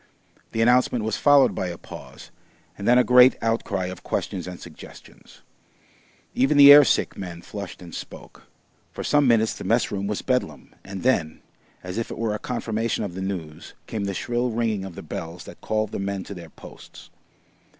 The announcement was followed by a pause, and then a great outcry of questions and suggestions. Even the air sick men flushed and spoke. For some minutes the mess room was Bedlam, and then, as if it were a confirmation of the news, came the shrill ringing of the bells that called the men to their posts.